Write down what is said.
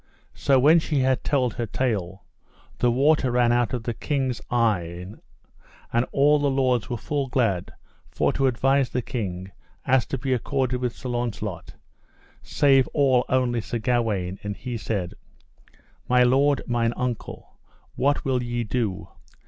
So when she had told her tale, the water ran out of the king's eyen, and all the lords were full glad for to advise the king as to be accorded with Sir Launcelot, save all only Sir Gawaine, and he said: My lord mine uncle, what will ye do?